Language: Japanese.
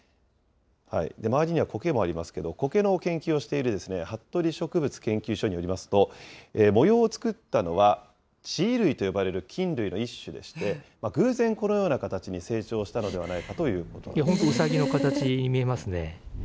周りにはコケもありますけど、コケの研究をしている服部植物研究所によりますと、模様を作ったのは、地衣類と呼ばれる菌類の一種でして、偶然、このような形に成長したのではないかということです。